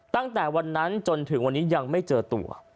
ตั้งแต่วันนั้นจนถึงวันนี้ยังไม่เจอตัว